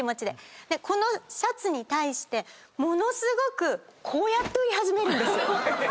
でこのシャツに対してものすごくこうやって言い始めるんです。